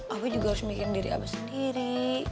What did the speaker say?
abah juga harus mikirin diri abah sendiri